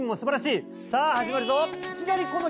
さあ始まるぞ。